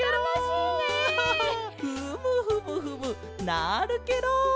フムフムフムなるケロ！